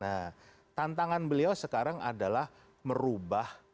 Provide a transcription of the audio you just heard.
nah tantangan beliau sekarang adalah merubah